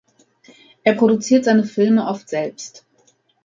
Er produziert seine Filme oft selbst.